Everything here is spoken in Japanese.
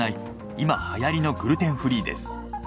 今はやりのグルテンフリーです。